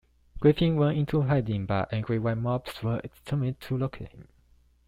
Griffin went into hiding, but angry white mobs were determined to locate him.